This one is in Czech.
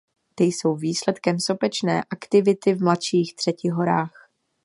Ty jsou výsledkem sopečné aktivity v mladších třetihorách.